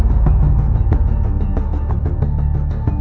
itu adalah tuntutan yang ada yang menuntut adanya ini sebelumnya